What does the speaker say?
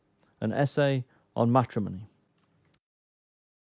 AN ESSAY ON MATRIMONY.